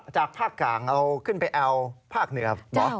จากภาคกลางเราขึ้นไปแอลภาคเหนือ